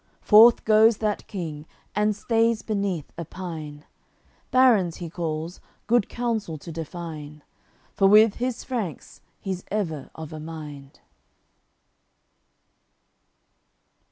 Forth goes that King, and stays beneath a pine; Barons he calls, good counsel to define, For with his Franks he's ever of a mind.